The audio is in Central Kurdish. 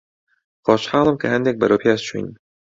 خۆشحاڵم کە هەندێک بەرەو پێش چووین.